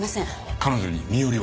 彼女に身寄りは？